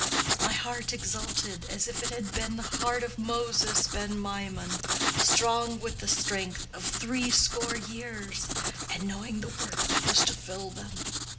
My heart exulted as if it had been the heart of Moses ben Maimon, strong with the strength of three score years, and knowing the work that was to fill them.